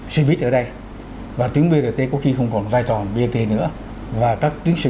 xe buýt ở đây và tuyến brt có khi không còn vai tròn brt nữa và các tuyến xe